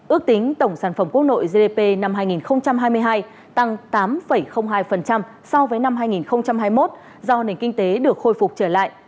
ước tính tổng sản phẩm quốc nội gdp năm hai nghìn hai mươi hai tăng tám hai so với năm hai nghìn hai mươi một do nền kinh tế được khôi phục trở lại